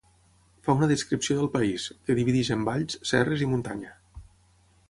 Fa una descripció del país, que divideix en valls, serres i muntanya.